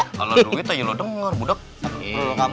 kalau duit aja lo denger budak